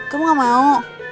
kamu gak mau